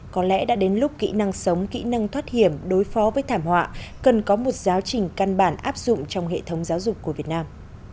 có lẽ đã đến lúc kỹ năng sống kỹ năng thoát hiểm đối phó với thảm họa cần có một giáo trình căn bản áp dụng trong hệ thống giáo dục của việt nam